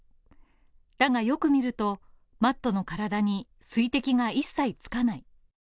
だがよく見ると、マットの体に水滴が一切つかない。